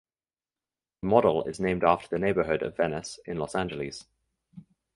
The model is named after the neighborhood of Venice in Los Angeles.